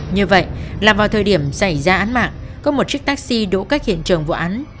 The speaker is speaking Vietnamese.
như vậy là vào thời điểm xảy ra án mạng có một chiếc taxi đỗ cách hiện trường vụ án